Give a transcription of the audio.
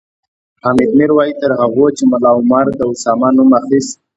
حامد میر وایي تر هغو چې ملا عمر د اسامه نوم اخیست